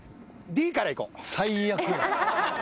Ｄからいこう。